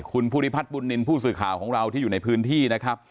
คุณผู้สื่อข่าวคุณภูฬิพัฏพุทนินทร์ที่อยู่ในพื้นที่